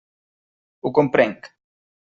Ho comprenc.